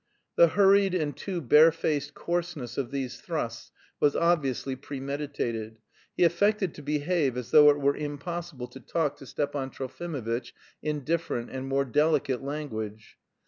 The hurried and too barefaced coarseness of these thrusts was obviously premeditated. He affected to behave as though it were impossible to talk to Stepan Trofimovitch in different and more delicate language.